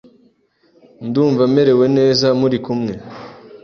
Ndumva merewe neza muri kumwe.